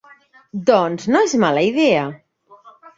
Doncs no és mala idea.